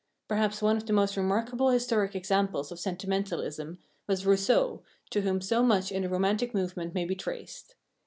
Perhaps one of the most remarkable historic examples of sentimentalism was Rousseau, to whom so much in the Romantic movement may be traced.